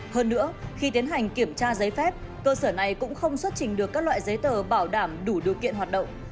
hơn nữa khi tiến hành kiểm tra giấy phép cơ sở này cũng không xuất trình được các loại giấy tờ bảo đảm đủ điều kiện hoạt động